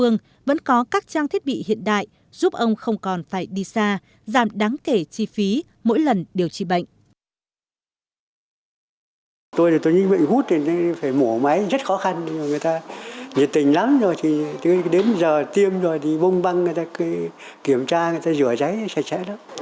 người ta nhiệt tình lắm rồi thì đến giờ tiêm rồi thì bông băng người ta kiểm tra người ta rửa giấy sạch sẽ lắm